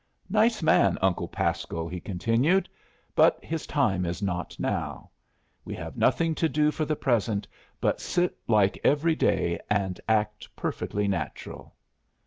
"Nice man, Uncle Pasco," he continued. "But his time is not now. We have nothing to do for the present but sit like every day and act perfectly natural."